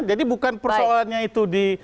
jadi bukan persoalannya itu di